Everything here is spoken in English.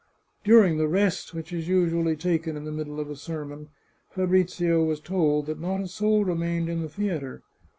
During the rest which is usually taken in the middle of a sermon, Fabrizio was told that not a soul remained in the theatre.